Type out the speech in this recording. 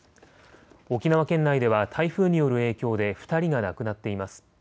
沖縄県内では台風による影響で２人が亡くなっています。